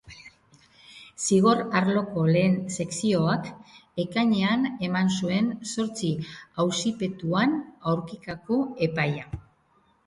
Zigor-arloko lehen sekzioak ekainean eman zuen zortzi auzipetuan aurkako epaia.